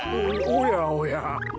おやおや。